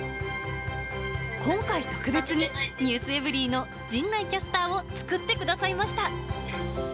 今回、特別にｎｅｗｓｅｖｅｒｙ．の陣内キャスターを作ってくださいました。